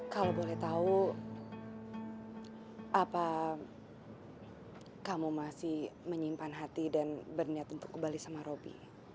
kalau boleh tahu apa kamu masih menyimpan hati dan berniat untuk kembali sama roby